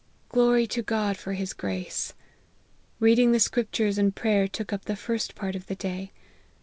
Glory to God for his grace ! Reading the scrip tures and prayer took up the first part of the day.